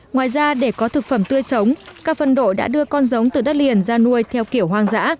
ngoài ra để có thực phẩm tươi sống các phân đội đã đưa con giống từ đất liền ra nuôi theo kiểu hoang dã